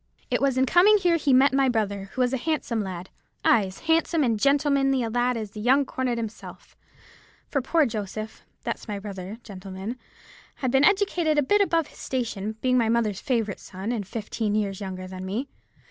It was in coming here he met my brother, who was a handsome lad—ay, as handsome and as gentlemanly a lad as the young cornet himself; for poor Joseph—that's my brother, gentlemen—had been educated a bit above his station, being my mother's favourite son, and fifteen years younger than me.